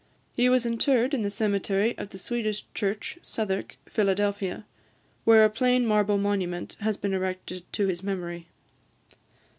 He was interred in the cemetery of the Swedish church, Southwark, Philadelphia, where a plain marble monument has been erected to his memory.